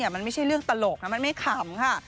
มันไม่ใช่เรื่องตลกนะมันไม่ขำค่ะ